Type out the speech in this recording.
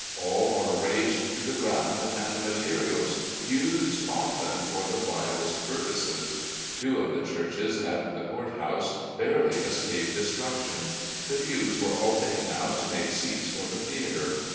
All are razed to the ground, and the materials used often for the vilest purposes. Two of the churches at the Court FRONTING THE ARMY OP THE POTOMAC 137 House barely escaped destruction. The pews were all taken out to make seats for the theatre.